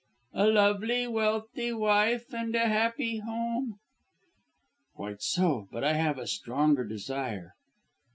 "A lovely, wealthy wife and a happy home." "Quite so; but I have a stronger desire."